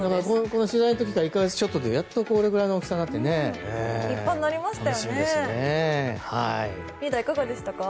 この取材の時から１か月ちょっとでやっとこれぐらいの大きさになって楽しみですね。